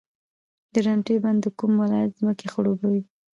د درونټې بند د کوم ولایت ځمکې خړوبوي؟